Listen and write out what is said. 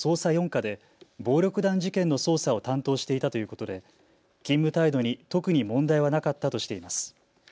４課で暴力団事件の捜査を担当していたということで勤務態度に特に問題はなかったとしています。